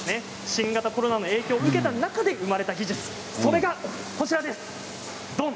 新型コロナの影響を受けた中で生まれた技術それが、こちらです。